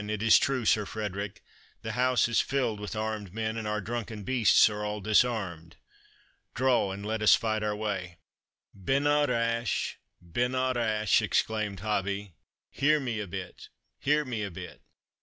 it is true, Sir Frederick; the house is filled with armed men, and our drunken beasts are all disarmed. Draw, and let us fight our way." "Binna rash binna rash," exclaimed Hobbie; "hear me a bit, hear me a bit.